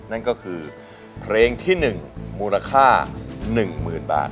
นั่นก็คือเพลงที่๑มูลค่า๑๐๐๐บาท